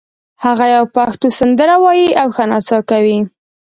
هغه یوه پښتو سندره وایي او ښه نڅا کوي